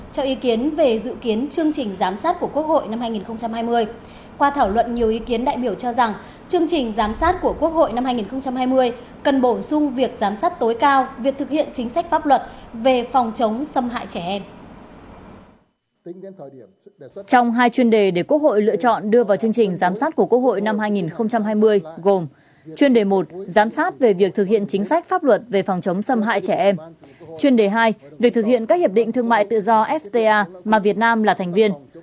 chuyên đề hai việc thực hiện các hiệp định thương mại tự do fta mà việt nam là thành viên